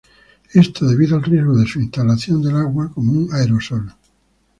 Esto debido al riesgo de su inhalación del agua como un aerosol.